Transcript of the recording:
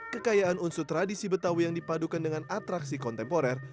kekayaan unsur tradisi betawi yang dipadukan dengan atraksi kontemporer